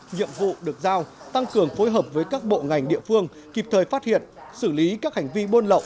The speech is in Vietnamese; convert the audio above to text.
nhiệm vụ được giao tăng cường phối hợp với các bộ ngành địa phương kịp thời phát hiện xử lý các hành vi buôn lậu